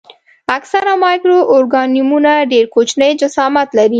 اکثره مایکرو ارګانیزمونه ډېر کوچني جسامت لري.